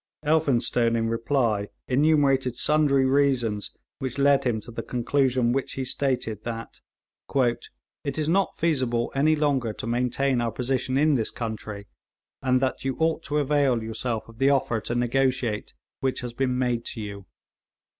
Elphinstone, in reply, enumerated sundry reasons which led him to the conclusion which he stated, that 'it is not feasible any longer to maintain our position in this country, and that you ought to avail yourself of the offer to negotiate which has been made to you.'